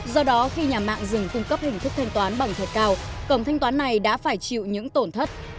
do đó khi nhà mạng dừng cung cấp hình thức thanh toán bằng thật cao cổng thanh toán này đã phải chịu những tổn thất